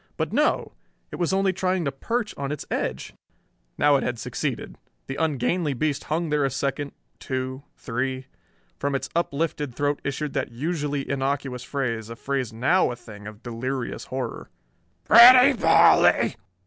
But no: it was only trying to perch on its edge! Now it had succeeded. The ungainly beast hung there a second, two, three. From its uplifted throat issued that usually innocuous phrase, a phrase now a thing of delirious horror: "Pretty Polly!"